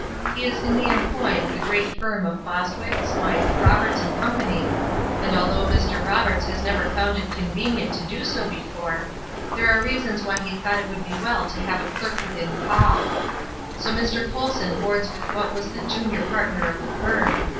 He is in the employ of the great firm of Bostwick, Smythe, Roberts & Co., and although Mr. Roberts has never found it convenient to do so before, there were reasons why he thought it would be well to have a clerk within call; so Mr. Colson boards with what was the junior partner of the firm.